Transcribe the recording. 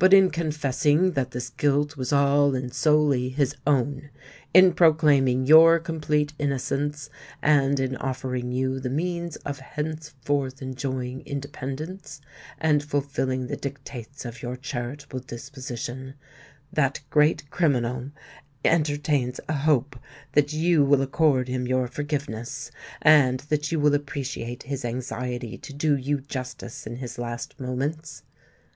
But in confessing that this guilt was all and solely his own,—in proclaiming your complete innocence,—and in offering you the means of henceforth enjoying independence, and fulfilling the dictates of your charitable disposition,—that great criminal entertains a hope that you will accord him your forgiveness, and that you will appreciate his anxiety to do you justice in his last moments.